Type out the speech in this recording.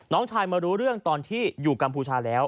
น้องชายมารู้เรื่องตอนที่อยู่กัมพูชาแล้ว